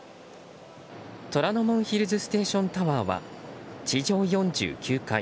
虎ノ門ヒルズステーションタワーは地上４９階